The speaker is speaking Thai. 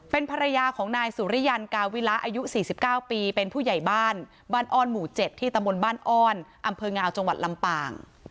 เป็นภรรยาของนายสุริยันกาวิระอายุ๔๙ปีเป็นผู้ใหญ่บ้านบ้านอ้อนหมู่๗ที่ตำบลบ้านอ้อนอำเภองาวจังหวัดลำปาง